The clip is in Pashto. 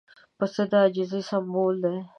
پسه د عاجزۍ سمبول دی.